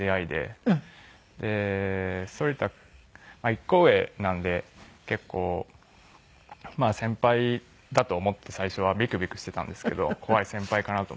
で反田１個上なんで結構先輩だと思って最初はビクビクしていたんですけど怖い先輩かなと。